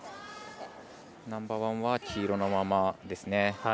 ナンバーワンは黄色のままですね。